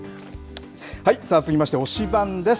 さあ、続きまして、推しバン！です。